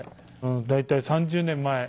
大体３０年前。